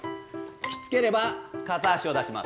きつければ片脚を出します。